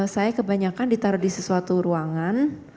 saya kebanyakan ditaruh di sesuatu ruangan